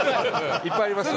いっぱいあります。